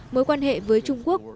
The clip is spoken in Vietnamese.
mối quan hệ với trung quốc